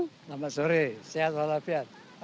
selamat sore sehat walaupun